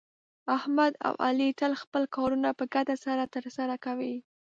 احمد او علي تل خپل کارونه په ګډه سره ترسه کوي.